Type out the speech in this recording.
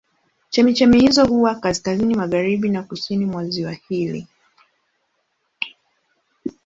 Chemchemi hizo huwa kaskazini magharibi na kusini mwa ziwa hili.